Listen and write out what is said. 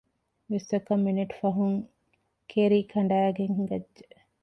ވިއްސަކަށް މިނެޓު ފަހުން ކެރިކަނޑައިގެން ހިނގައްޖެ